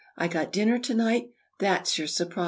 I got dinner to night! that's your surprise."